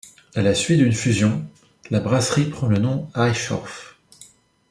À la suite d'une fusion, la brasserie prend le nom Eichof.